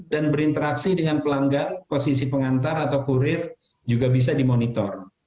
dan berinteraksi dengan pelanggan posisi pengantar atau kurir juga bisa dimonitor